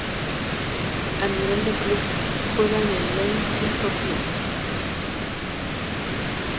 A nivel de clubes juega en el Levski Sofia.